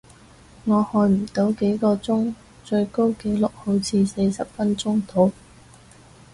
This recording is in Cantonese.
我去唔到幾個鐘，最高紀錄好似四十分鐘度